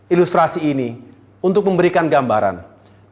ilustrasi ini untuk memberikan gambaran konsekuensi yang harus kita tanggung jawab